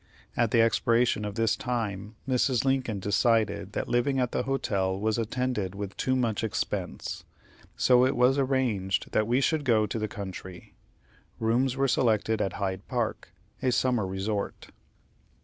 At the expiration of this time Mrs. Lincoln decided that living at the hotel was attended with too much expense, so it was arranged that we should go to the country. Rooms were selected at Hyde Park, a summer resort.